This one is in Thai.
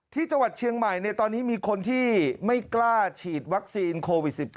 ที่จังหวัดเชียงใหม่ในตอนนี้มีคนที่ไม่กล้าฉีดวัคซีนโควิด๑๙